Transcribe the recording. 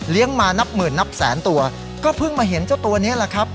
มานับหมื่นนับแสนตัวก็เพิ่งมาเห็นเจ้าตัวนี้แหละครับ